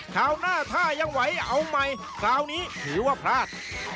คราวหน้าถ้ายังไหวเอาใหม่คราวนี้ถือว่าพลาด